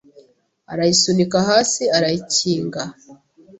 Arayisunika hasi arayikinga